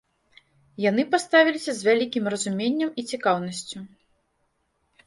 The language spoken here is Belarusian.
Яны паставіліся з вялікім разуменнем і цікаўнасцю.